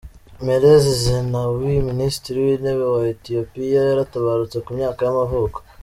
Meles Zenawi, minisitiri w’intebe wa Etiyopiya yaratabarutse, ku myaka y’amavuko.